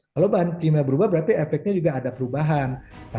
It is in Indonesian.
kalau bahan kimia berubah berarti efeknya juga ada perubahan